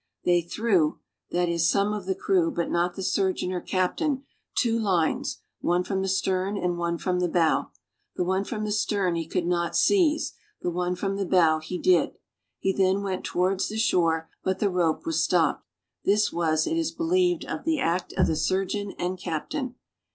They threw (that is, some of the crew, but not the surgeon or captain) two lines, one from the stern and one from the bow. The one from the stern he could not seize the one from the bow he did. He then went towards the shore, but the rope was stopped. This was, it is believed, the act of the surgeon and captain.